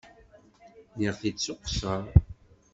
Nniɣ-t-id s uqeṣṣer.